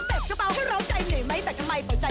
ผมต้องตัวไลน์เม็ดไปนะ